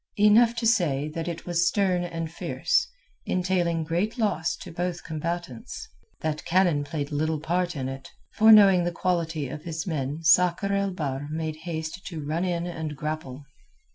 Enough to say that it was stern and fierce, entailing great loss to both combatants; that cannon played little part in it, for knowing the quality of his men Sakr el Bahr made haste to run in and grapple.